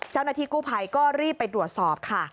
เจ้าหน้าที่กู้ภัยก็รีบไปตรวจสอบค่ะ